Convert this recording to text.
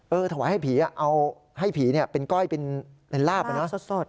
เออถวายให้ผีเอาให้ผีเป็นก้อยเป็นราบน่ะ